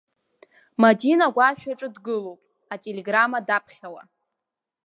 Мадина агәашә аҿы дгылоуп, ателеграмма даԥхьауа.